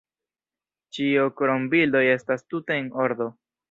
Ĉio krom bildoj estas tute en ordo.